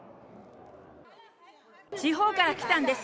地方から来たんです。